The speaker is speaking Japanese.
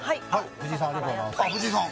藤井さんありがとうございます藤井さん